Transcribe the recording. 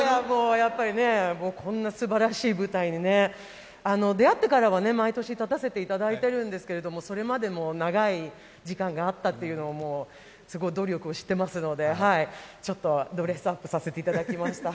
やっぱりこんなすばらしい舞台に、出会ってからは毎年立たせていただいてるんですけれども、それまでも長い時間があったという努力を知ってますのでちょっとドレスアップさせていただきました。